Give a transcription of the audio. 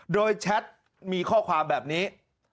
โดยแชทมีข้อความแบบนี้